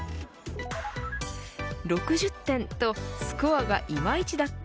６０点とスコアがいまいちだった